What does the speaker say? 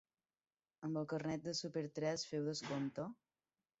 Amb el carnet del súper tres, feu descompte?